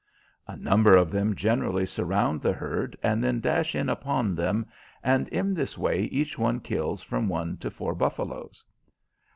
A number of them generally surround the herd and then dash in upon them, and in this way each one kills from one to four buffaloes.